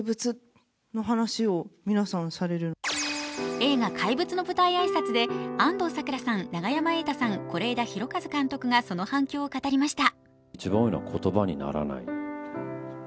映画「怪物」の舞台挨拶で安藤サクラさん、永山瑛太さん、是枝裕和監督がその反響を語りました。